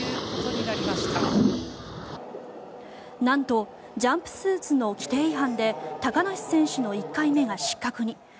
なんとジャンプスーツの規定違反で高梨選手の１回目が失格に。